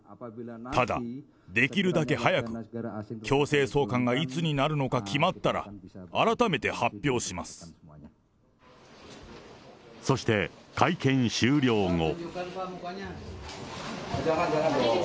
ただできるだけ早く強制送還がいつになるのか決まったら、改めてそして、会見終了後。